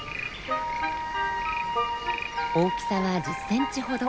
大きさは１０ｃｍほど。